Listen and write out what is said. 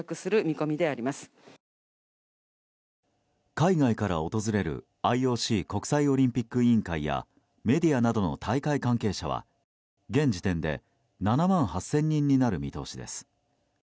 海外から訪れるＩＯＣ・国際オリンピック委員会やメディアなどの大会関係者は現時点で７万８０００人になる見通しです。